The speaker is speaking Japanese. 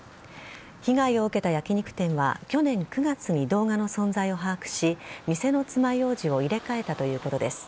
被害を受けた焼き肉店は去年９月に動画の存在を把握し店のつまようじを入れ替えたということです。